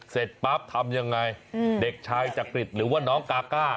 เสร็จปั๊บทำยังไงเด็กชายจักริตหรือว่าน้องกาก้า